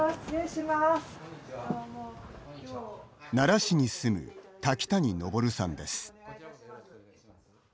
奈良市に住む瀧谷昇さんです。